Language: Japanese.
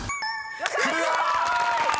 ［クリア！］